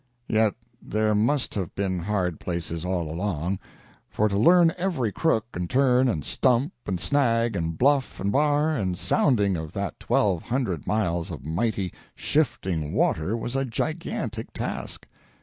Yet there must have been hard places all along, for to learn every crook and turn and stump and snag and bluff and bar and sounding of that twelve hundred miles of mighty, shifting water was a gigantic task.